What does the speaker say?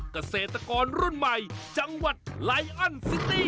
เกษตรกรรุ่นใหม่จังหวัดไลอันซิตี้